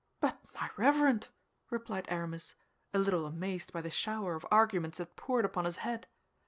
"But, my Reverend—" replied Aramis, a little amazed by the shower of arguments that poured upon his head.